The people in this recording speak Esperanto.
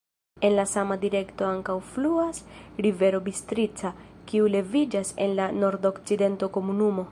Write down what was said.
En la sama direkto ankaŭ fluas rivero Bistrica, kiu leviĝas en la nordokcidento komunumo.